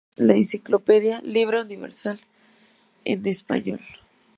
Tomado de la Enciclopedia Libre Universal en Español.